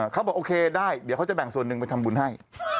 เขาบอกโอเคได้เดี๋ยวเขาจะแบ่งส่วนหนึ่งไปทำบุญให้